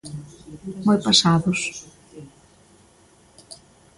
Moi pasados.